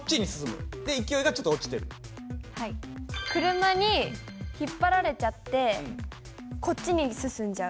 車に引っ張られちゃってこっちに進んじゃう。